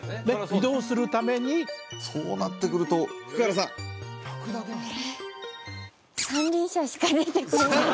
移動するためにそうなってくると福原さんええ三輪車？